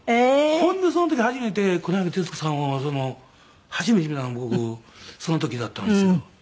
ほんでその時初めて黒柳徹子さんを初めて見たの僕その時だったんですよ。